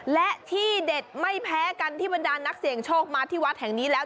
และที่เด็ดไม่แพ้กันที่บรรดานนักเสี่ยงโชคมาที่วัดแห่งนี้แล้ว